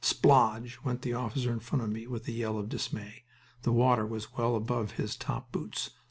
Splodge! went the officer in front of me, with a yell of dismay. The water was well above his top boots.